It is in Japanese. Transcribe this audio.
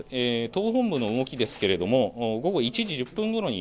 党本部の動きですけれども午後１時１０分ごろに